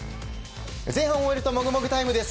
前半を終えるとモグモグタイムです。